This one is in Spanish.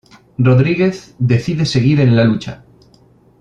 Rodríguez decide seguir en la lucha.